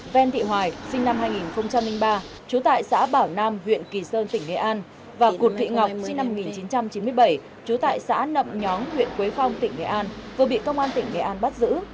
ven thị hoài sinh năm hai nghìn ba trú tại xã bảo nam huyện kỳ sơn tỉnh nghệ an và cụt thị ngọc sinh năm một nghìn chín trăm chín mươi bảy trú tại xã nậm nhóng huyện quế phong tỉnh nghệ an vừa bị công an tỉnh nghệ an bắt giữ